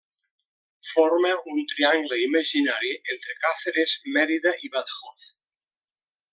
Forma un triangle imaginari entre Càceres, Mèrida i Badajoz.